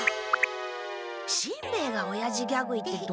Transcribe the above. しんべヱがおやじギャグ言ってどうすんの？